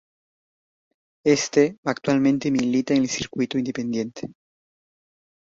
Éste actualmente milita en el circuito independiente.